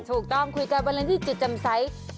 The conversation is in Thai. ถูกต้องคุยกันบารันที่จิตจำไซส์